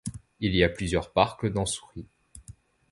Il y a plusieurs parcs dans Souris.